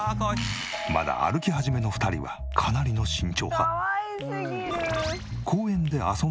まだ歩き始めの２人はかなりの慎重派。